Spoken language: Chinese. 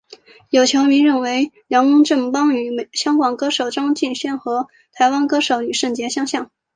有球迷认为梁振邦与香港歌手张敬轩和台湾歌手李圣杰相像。